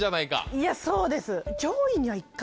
いやそうです。